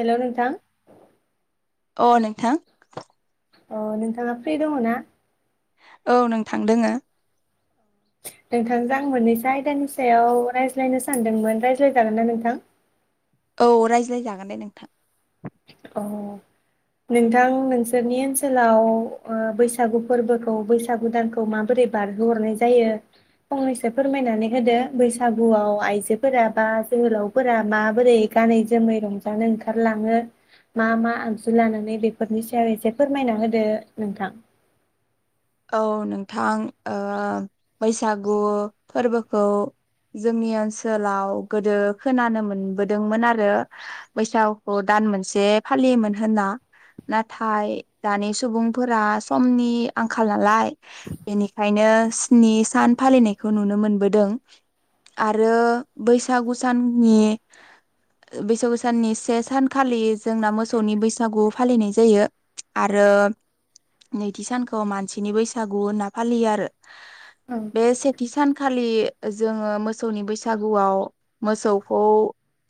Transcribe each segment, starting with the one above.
हेल' नोंथां। अ नोंथां। अ नोंथाङा फ्रि दङ ना? औ नोंथां दोङो। नोंथांजों आं मोननैसो आयदानि सायाव रायज्लायनो सानदोंमोन रायज्लायजागोन ना नोंथांं। औ रायज्लायजागोन दे नोंथां। अ नोंथां नोंसोरनि ओनसोलाव ओ बैसागु फोरबोखौ बैसागु दानखौ माबोरै बारहोहरनाय जायो फंनैसो फोरमायनानै होदो बैसागुआव आइजोफोरा बा जोहोलावफोरा माबोरै गानै जोमै रंजानो ओंखारलाङो। मा मा आगजु लानानै बेफोरनि सायाव एसे फोरमायना होदो नोंथां। औ नोंथां ओ बैसागु फोरबोखौ जोंनि ओनसोलाव गोदो खोनानो मोनबोदोंमोन आरो बैसागुखौ दान मोनसे फालियोमोन होनना नाथाय दानि सुबुंफोरा समनि आं आंखाल नालाय बेनिखायनो स्नि सान फालिनायखौ नुनोमोनबोदों आरो बैसागु साननि बैसागु साननि से सानखालि जोंना मोसौनि बैसागु फालिनाय जायो आरो नैथि सानखा [unintelligible] मानसिन बैसागु होनना फालियो आरो औ बे सेथि सान खालि जोङो मोसौनि बैसागुआव मोसौखौ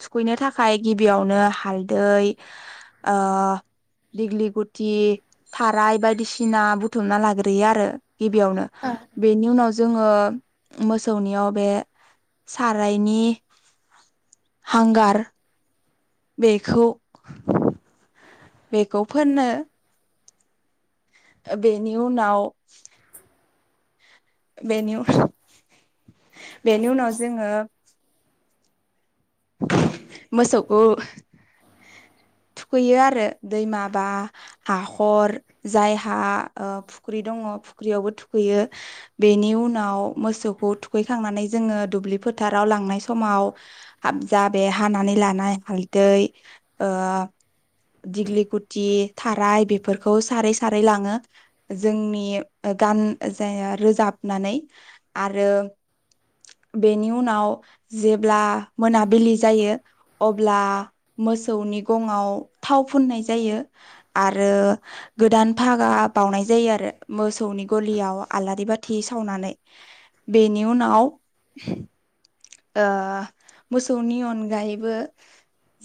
थुखैनो थाखाय गिबियावनो हालदै ओ दिगिलि गुथि थाराय बायदिसिना। बुथुमना लाग्रोयो आरो गिबियावनो बेनि उनाव जोङो मोसौनियाव बे सारायनि हांगार। बेखौ बेखौ फोननो बेनि उनाव [inaudible] बेनि बेनि उनाव जोङो मोसौखौ थुखैयो आरो दैमा बा हाखर जायहा ओ फुख्रि दङ फुख्रियावबो थुखैयो बेनि उनाव मोसौखौ थुखैखांनानै जोङो दुब्लि फोथाराव लांनाय समाव। हाबजा बे हानानै लानाय हालदै ओ दिगिलि गुथि थाराय बेफोरखौ सारै सारै लाङो जोंनि गान जाया रोजाबनानै आरो बेनि उनाव जेब्ला मोनाबिलि जायो अब्ला मोसौनि गङाव थाव फुननाय जायो आरो गोदान फागा बावनाय जायो आरो मोसौनि गलियाव आलारि बाथि सावनानै बेनि उनाव ओ मोसौनि अनगायैबो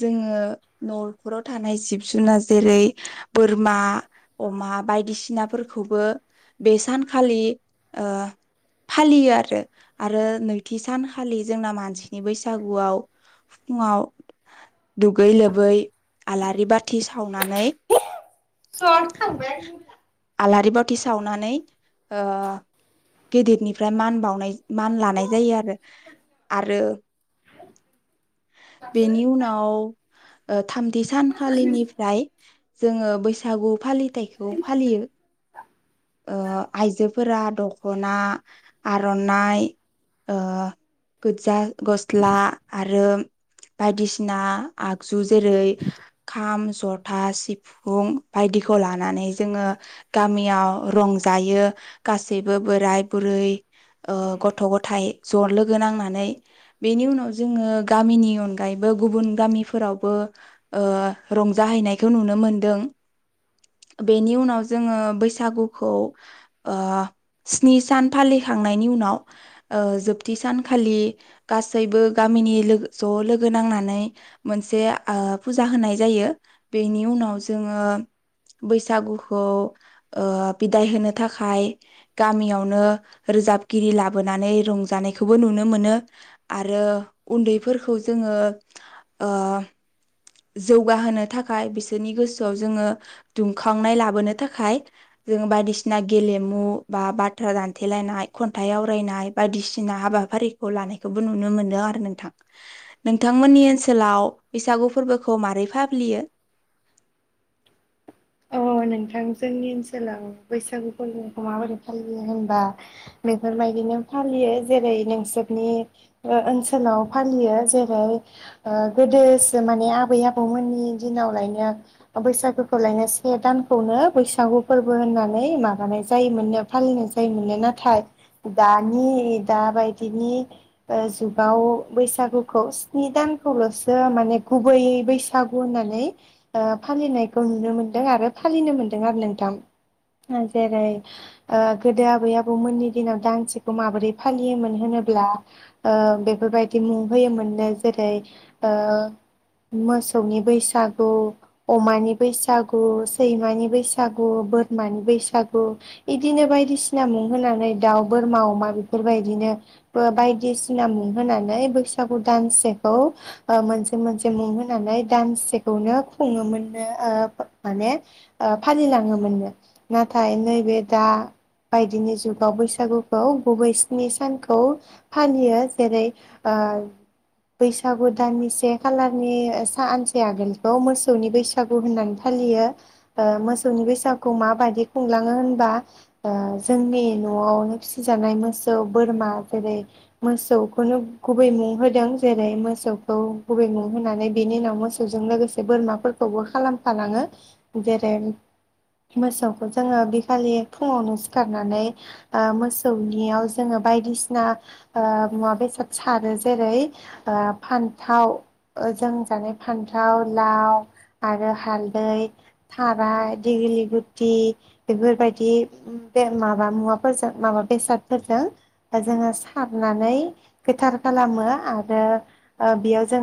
जोङो न'खराव थानाय जिब जुनार जेरै बोरमा अमा बायदिसिनाफोरखौबो बे सानखालि ओ फालियो आरो आरो नैथि सान खालि जोंना मानसिनि बैसागुआव फुङाव दुगै लोबै आलारि बाथि सावनानै [unintelligible] आलारि बाथि सावनानै ओ गेदिरनिफ्राय मान बावनाय मान लानाय जायो आरो आरो बेनि उनाव थामथि सानखालिनिफ्राय जोङो बैसागु फालिथायखौ फालियो ओ आइजोफोरा दख'ना आर'नाइ ओ गोजा गसला आरो बायदिसिना आगजु जेरै खाम जथा सिफुं बायदिखौ लानानै जोङो गामियाव रंजायो गासैबो बोराय बुरै ओ गथ' गथाय ज' लोगो। गोनांनानै बेनि उनाव जोङो गामिनि अनगायैबो गुबुन गामिफोरावबो ओ रंजाहैनायखौ नुनो मोनदों बेनि उनाव जोङो बैसागुखौ ओ स्नि सान फालिखांनायनि उनाव ओ जोब बि सानखालि गासैबो गामिनि लोगो ज' लोगो नांनानै मोनसे ओ फुजा होनाय जायो बेनि उनाव जोङो बैसागुखौ ओ बिदाय ओ होनो थाखाय गामियावनो रोजाबगिरि लाबोनानै रंजानाय। बेखौबो नुनो मोनो आरो उनदैफोरखौ जोङो ओ जौगाहोनो थाखाय बिसोरनि गोसोआव जोङो दुंखांनाय लाबोनो थाखाय जों बायदिसिना गेलेमु बा बाथ्रा दानथेलायनाय खनथाइ आवरायनाय बायदिसिना हाबाफारिखौ लानायखौबो नुनो मोनो आरो नोंथां नोंथांमोननि ओनसोलाव बैसागु। फोरबोखौ माबोरै फालियो। अ नोंथां जोंनि ओनसोलाव बैसागु फोरबोखौ माबोरै फालियो होनबा बेफोरबायदिनो फालियो जेरै नोंसोरनि ओनसोलाव फालियो जेरै गोदोसो माने आबै आबौमोननि दिनावलायनो बैसागुखौलायनो। से दानखौनो बैसागु फोरबो होननानै माबानाय जायोमोनो फालिनाय जायोमोनो नाथाय दानि दा बायदिनि जुगाव बैसागुखौ स्नि दानखौल'सो माने गुबैयै बैसागु होननानै फालिनायखौ नुनो मोनो। दे आरो फालिनो मोनदों आरो नोंथां जेरै ओ गोदो गोदो आबै आबौ मोननि दिनाव दांसेखौ माबोरै फालियोमोन होनोब्ला ओ बेफोरबादि मुं होयोमोननो जेरै ओ मोसौनि बैसागु अमानि बैसागु गु सैमानि बैसागु बोरमानि बैसागु बिदिनो बायदिसिना मुं होनानै दाउ बोरमा अमा बेफोरबायदिनो बायदिसिना मुं होनानै बैसागु दानसेखौ ओ मोनसे मोनसे मुं होनानै दानसेखौनो खुङोमोन नो ओ माने ओ फालिलाङोमोननो नाथाय नैबे दा बायदिनि जुगाव बैसागुखौ गुबै स्नि सानखौ फालियो जेरै ओ। बैसागु दानसे खालारनि सानसे आगोलखौ मोसौनि बैसागु होननानै फालियो मोसौनि बैसागु माबादि खुंलाङो होनबा जोंनि न'आवनो फिसिजानाय मोसौ बोरमा जेरै मोसौखौनो गुबै मुं होदों जेरै मोसौखौ गुबै मुं होनानै बेनि उनाव मोसौजों लोगोसे बोरमाफोरखौबो खालामो। [unintelligible] जेरै मोसौखौ जोङो बिखालि फुङावनो सिखारनानै ओ मोसौनियाव जोङो बायदिसिना मुवा बेसाद सारो जेरै ओ फानथाव जों जानाय फान्थाव लाउ आरो हालदै थाराइ दिगिलि गुथि बेफोरबायदि बे माबा मुवाफोरजों माबा बेसादफोरजों जोङो सारनानै गोथार खालामो आरो ओ बेयाव जों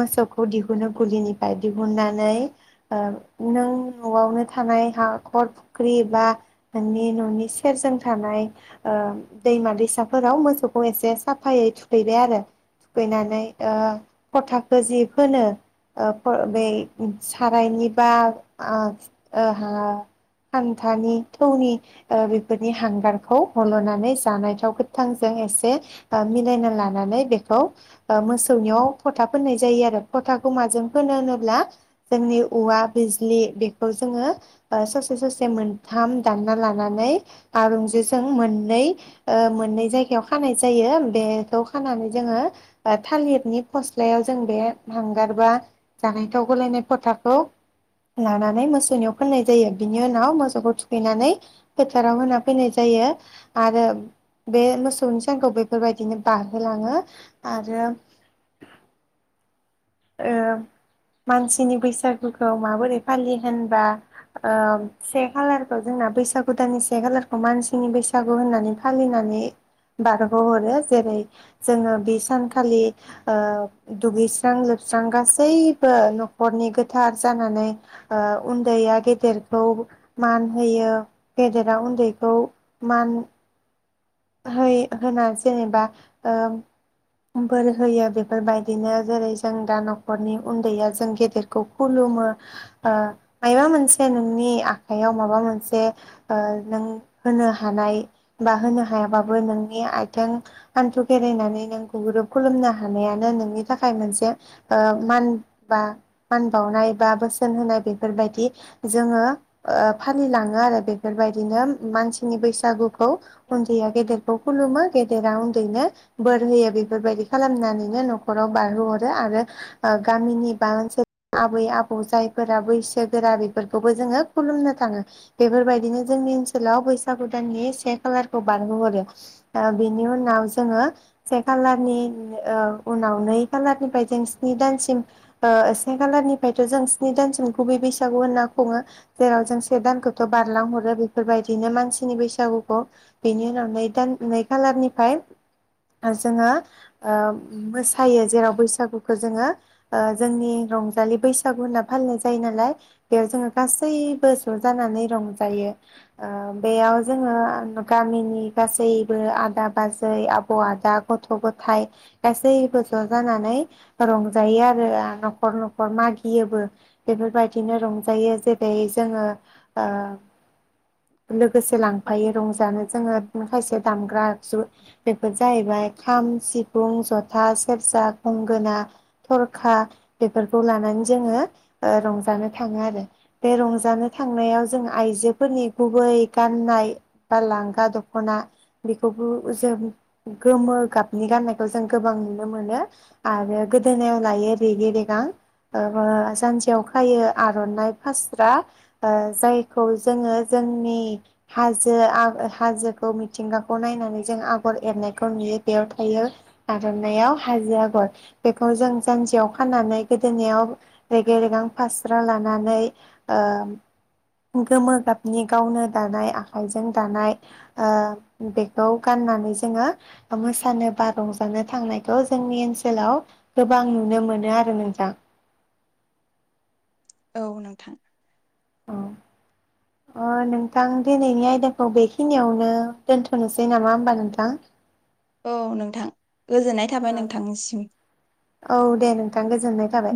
मोसौखौ दिहुनो गलिनिफ्राय। दिहुननानै ओ नों न'आवनो थानाय हाखर फुख्रि बा नोंनि न'नि सेरजों थानाय ओ दैमा दैसाफोराव मोसौखौ एसे साफायै थुखैबाय आरो थुखैनानै ओ फोथाखो जि बोनो ओ। बे सारायनि बा ओ खान्थानि थौनि बेफोरनि हांगारखौ हल'नानै जानाय थाव गोथांजों एसे मिलायना लानानै बेखौ मोसौनियाव फ'था फोननाय जायो आरो फथाखौ माजों होनो होनोब्ला जोंनि औवा बिजलि बेखौ जोङो ससे ससे मोनथाम दानना लानानै आरुंजिजों मोननै ओ मोननै जायगायाव खानाय जायो बेखौ खानानै जोङो थालिरनि फसलायाव जों बे हांगारबा जानायथाव गोलायनाय फ'थाखौ लानानै मोसौनियाव फाननाय जायो बिनि उनाव मोसौखौ थुखैनानै फोथाराव होना फैनाय जायो आरो बे मोसौनि सानखौ बेफोरबायदिनो बारहोलाङो आरो‌। ओ मानसिनि बैसागुखौ माबोरै फालियो होनबा से खालारखौ जोंना बैसागु दाननि से खालारखौ मानसिनि बैसागु होननानै फालिनानै बारगहरो जेरै जोङो बे सानखालि ओ दुगैस्रां लोबस्रां जों गासैबो न'खरनि गोथार जानानै ओ उनदैया गेदेरखौ मान होयो गेदेरा उन्दैखौ मान होना जेनेबा बोर होयो बेफोरबायदिनो जेरै जों दा न'खरनि उनदैया जों गेदेरखौ खुलुमो ओ माबा मोनसे नोंनि आखाइयाव माबा मोनसे ओ नों होनो हानाय बा होनो। हायाबाबो नोंनि आथिं हान्थु खेरायनानै नों गुगुरुब खुलुमनो हानायानो नोंनि थाखाय मोनसे ओ मान बा मान बावनाय बा बोसोन होनाय बेफोरबायदि जोङो फालिलाङो आरो बेफोरबायदिनो मानसिनि बैसागुखौ। उन्दैया गेदेरखौ खुलुमो गेदेरा उन्दैनो बोर होयो बेफोरबायदि खालामनानैनो न'खराव बारहोहरो आरो गामिनि बा ओनसोलनि आबै आबौ जायफोरा बैसोगोरा बेफोरखौबो जोङो खुलुमनो थाङो बेफोरबायदिनो जोंनि ओनसोलाव बैसागु दाननि से खालार। खौ बारहोहरो ओ बेनि उनाव जोङो से खालारनि ओ उनाव नै खालारनिफ्राय जों स्नि दानसिम से खालारनिफ्रायथ' जों स्नि दानसिम गुबै बैसागु होनना खुङो जेराव जों से दानखौथ' बारलांहरो बेफोरबायदिनो मानसिनि बैसागुखौ। बेनि उनाव नै दान नै खालारनिफ्राय जोङो मोसायो जेराव बैसागुखौ जोङो जोंनि रंजालि बैसागु होनना फालिनाय जायो नालाय बेयाव जोङो गासैबो ज' जानानै रंजायो बेयाव जोङो गामिनि गासैबो आदा बाजै आबौ आदा गथ' गथायाइ गासैबो ज' जानानै रंजायो आरो न'खर न'खर मागियोबो बेफोरबायदिनो रंजायो जेरै जोङो गोसो लांफायो रंज दानो जोङो खायसे दामग्रा जु बेफोर जाहैबाय खाम सिफुं जथा सेरजा गंगोना थरखा बेफोरखौ लानानै जोङो रंजानो थाङो आरो बे रंजानो थांनायाव जों आइजोफोरनि गुबै गाननाय बा लांगा दख'ना बेखौबो जों गोमो गाबनि गाननायखौ जों गोबां नुनो मोनो आरो गोदोनायाव लायो रेगे रेगां सानसेयाव खायो आर'नाइ फास्रा जायखौ जोङो जोंनि हाजो ज हाजोखौ मिथिंगाखौ नायनानै जों आगर एरनायखौ नुयो बेयाव थायो आर'नायइाव हाजो आगर बेखौ जों जानजियाव फानानै गोदोनायाव रेगे रेगां फास्रा लानानै गोमो गाबनि गावनो दानाय आइजों दानाय बेखौ गाननानै जोङो मोसानो बा रंजानो थांनायखौ जोंनि ओनसोलाव गोबां नुनो मोनो आरो नोंथां औ नोंथां। औ नोंथां दिनैनि आयदाखौ बेखिनियावनो दोनथ'नोसै नामा होमबा नोंथां औ नोंथां गोजोननाय थाबाय नोंथांनिसिम। औ दे नोंथां गोजोननाय थाबाय।